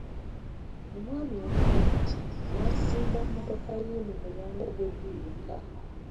Omwami omu yajja n'asimba mmotoka ye mu mulyango gw'edduuka.